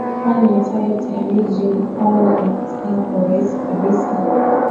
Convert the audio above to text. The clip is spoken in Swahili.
kwani mitaa yote ya Mji Mkongwe inapitika kwa urahisi kabisa